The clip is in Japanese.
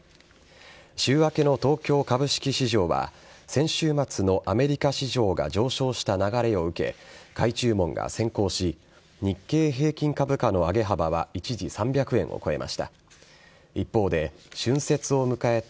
週明けの東京株式市場は、先週末のアメリカ市場が上昇した流れを受け、買い注文が先行し、日経平均株価の上げ幅は一時３００円を超えました。